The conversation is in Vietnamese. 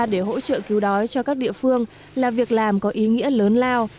để hỗ trợ cứu đói cho các địa phương là việc làm có ý nghĩa lớn lao